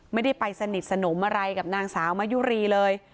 ไม่ได้ไปสนิทสนมอะไรกับนางสาวมะยุรีเลย